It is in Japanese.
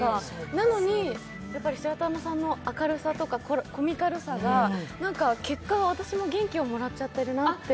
なのに白玉さんの明るさとかコミカルさから元気をもらっちゃってるなって。